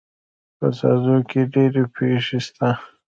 په ساکزو کي ډيري پښي سته.